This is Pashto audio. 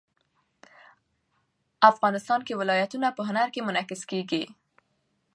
افغانستان کې ولایتونه په هنر کې منعکس کېږي.